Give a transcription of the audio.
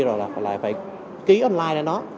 rồi lại phải ký online để nó